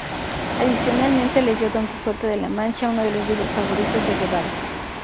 Adicionalmente, leyó "Don Quijote de la Mancha", uno de los libros favoritos de Guevara.